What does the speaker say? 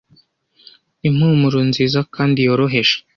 impumuro nziza kandi yoroheje